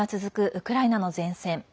ウクライナの前線。